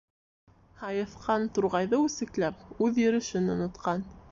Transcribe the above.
Һайыҫҡан, турғайҙы үсекләп, үҙ йөрөшөн онотҡан